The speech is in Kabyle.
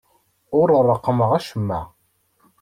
Ur reqqmeɣ acemma.